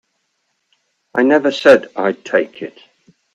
I never said I'd take it.